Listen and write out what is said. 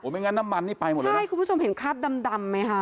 ไม่งั้นน้ำมันนี่ไปหมดเลยใช่คุณผู้ชมเห็นคราบดำดำไหมคะ